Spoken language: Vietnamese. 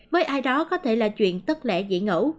với ai đó có thể là chuyện tất lẽ dĩ ngẫu